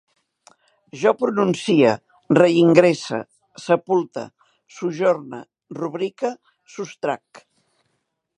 Jo prenuncie, reingresse, sepulte, sojorne, rubrique, sostrac